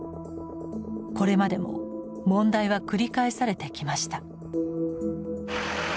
これまでも問題は繰り返されてきました。